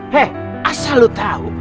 he asal lu tau